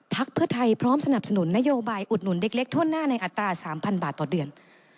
พักเพื่อไทยพร้อมสนับสนุนนโยบายอุดหนุนเด็กเล็กทั่วหน้าในอัตรา๓๐๐บาทต่อเดือน